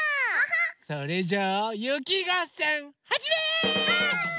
それじゃあゆきがっせんはじめ！